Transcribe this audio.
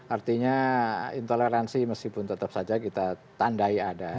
artinya intoleransi meskipun tetap saja kita tandai ada